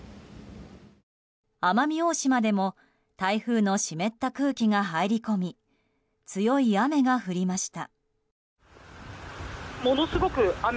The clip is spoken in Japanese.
奄美大島でも台風の湿った空気が入り込み強い雨が降りました。